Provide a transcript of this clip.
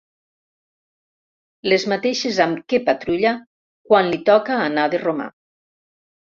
Les mateixes amb què patrulla quan li toca anar de romà.